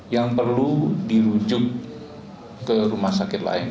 yang perlu dirujuk ke rumah sakit lain